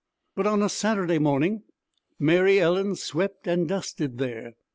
But on a Saturday morning Mary Ellen swept and dusted there.